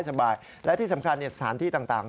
และที่สำคัญสถานที่ต่าง